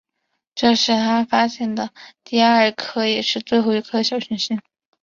这是他发现的第二颗也是最后一颗小行星。